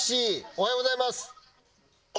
おはようございます。